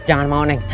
jangan mau neng